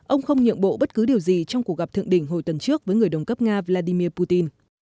ông không nhượng bộ bất cứ điều gì trong cuộc gặp thượng đỉnh hồi tuần trước với người đồng cấp nga vladimir putin